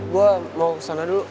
gue mau sana dulu